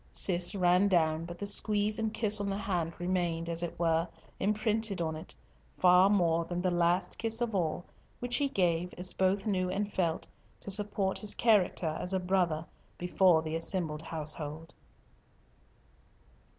Cis ran down, but the squeeze and kiss on the hand remained, as it were, imprinted on it, far more than the last kiss of all, which he gave, as both knew and felt, to support his character as a brother before the assembled household.